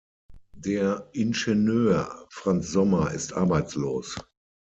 Der Ingenieur Franz Sommer ist arbeitslos.